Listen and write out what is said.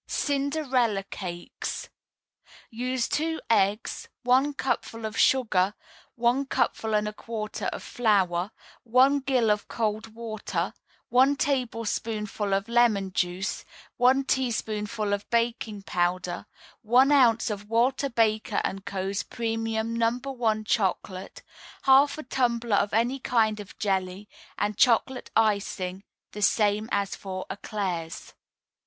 CINDERELLA CAKES Use two eggs, one cupful of sugar, one cupful and a quarter of flour, one gill of cold water, one tablespoonful of lemon juice, one teaspoonful of baking powder, one ounce of Walter Baker & Co.'s Premium No. 1 Chocolate, half a tumbler of any kind of jelly, and chocolate icing the same as for éclairs.